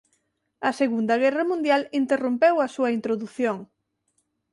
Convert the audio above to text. A segunda guerra mundial interrompeu a súa introdución.